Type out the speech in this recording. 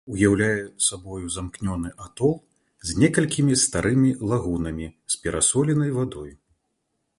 Уяўляе сабою замкнёны атол з некалькімі старымі лагунамі з перасоленай вадой.